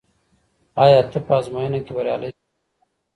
آیا ته په ازموينه کي بريالی سوې؟